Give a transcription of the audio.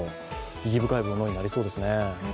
意義深いものになりそうですね。